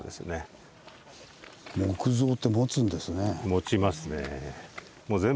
もちますね。